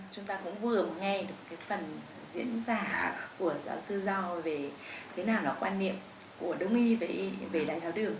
chúng ta cũng vừa nghe được phần diễn ra của giáo sư do về thế nào là quan niệm của đông y về đáy tháo đường